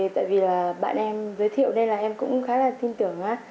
tại vì là bạn em giới thiệu nên là em cũng khá là tin tưởng